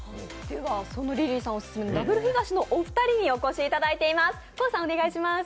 そのリリーさんおすすめのダブルヒガシのお二人にお越しいただいています。